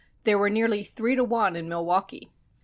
There were nearly three to one in Milwaukee.